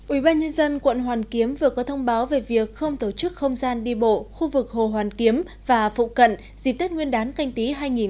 ủy ban nhân dân quận hoàn kiếm vừa có thông báo về việc không tổ chức không gian đi bộ khu vực hồ hoàn kiếm và phụ cận dịp tết nguyên đán canh tí hai nghìn hai mươi